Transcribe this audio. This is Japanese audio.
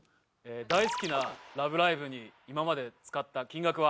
大好きな『ラブライブ！』に今まで使った金額は？